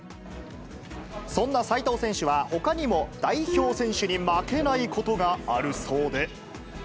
そんな齋藤選手は、ほかにも代表選手に負けないことがあるそうで。